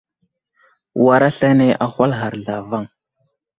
War aslane ahwal ghar zlavaŋ.